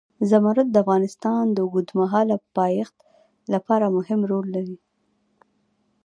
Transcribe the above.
زمرد د افغانستان د اوږدمهاله پایښت لپاره مهم رول لري.